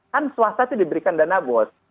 kan swasta itu diberikan dana bos